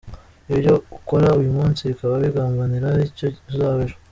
Ibyo ukora uyu munsi bikaba bigambanira icyo uzaba ejo.